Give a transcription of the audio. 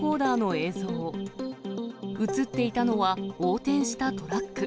映っていたのは横転したトラック。